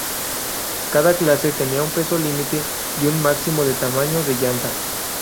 Cada clase tenía un peso límite y un máximo de tamaño de llanta.